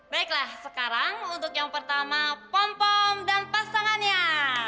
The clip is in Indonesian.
baiklah sekarang untuk yang pertama pom pom dan pasangannya